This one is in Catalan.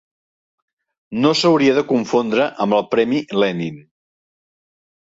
No s'hauria de confondre amb el Premi Lenin.